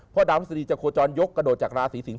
เพราะดาวพระศรีจักรโคจรยกกระโดดจากราศีสิงห์